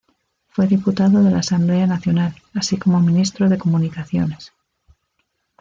Fue diputado de la Asamblea Nacional, así como Ministro de Comunicaciones.